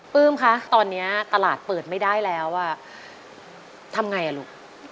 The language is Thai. ปื้มคะตอนนี้ตลาดเปิดไม่ได้แล้วอ่ะทำไงอ่ะลูก